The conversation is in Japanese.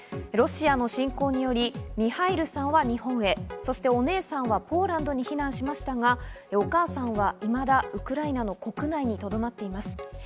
ロシアの侵攻によりミハイルさんは日本へ、お姉さんはポーランドに避難しましたが、お母さんはいまだウクライナの国内にとどまっています。